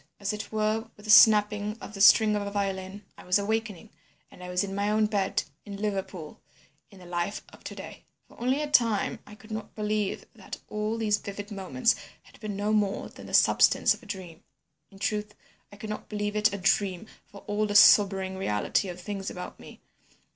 as it were with the snapping of the string of a violin, I was awakening, and I was in my own bed in Liverpool, in the life of to day. "Only for a time I could not believe that all these vivid moments had been no more than the substance of a dream. "In truth, I could not believe it a dream for all the sobering reality of things about me.